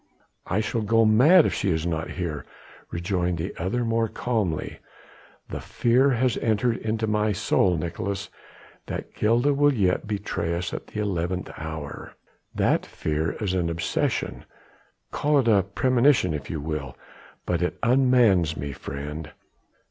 "I shall go mad if she is not here," rejoined the other more calmly, "the fear has entered into my soul, Nicolaes, that Gilda will yet betray us at the eleventh hour. That fear is an obsession ... call it premonition if you will, but it unmans me, friend."